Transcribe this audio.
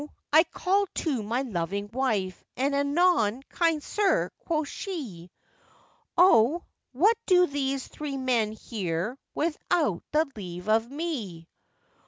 I called to my loving wife, and 'Anon, kind sir!' quoth she; 'O! what do these three men here, without the leave of me?